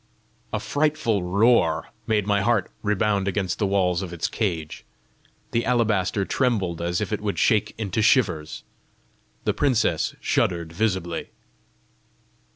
A frightful roar made my heart rebound against the walls of its cage. The alabaster trembled as if it would shake into shivers. The princess shuddered visibly.